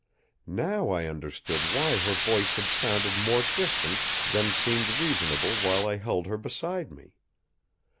Now I understood why her voice had sounded more distant than seemed reasonable while I held her beside me.